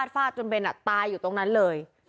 ฟาดจนเบนตายอยู่ตรงนั้นเลย